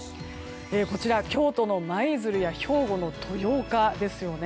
こちら京都の舞鶴や兵庫の豊岡です。